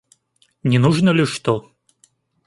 Не нужно ли что?